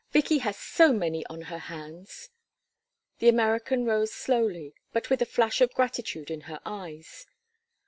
Vicky has so many on her hands." The American rose slowly, but with a flash of gratitude in her eyes.